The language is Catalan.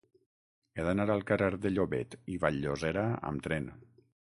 He d'anar al carrer de Llobet i Vall-llosera amb tren.